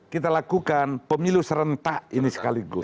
kita lakukan pemilu serentak ini sekaligus